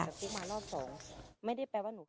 ถ้าแม่ไม่แย่ง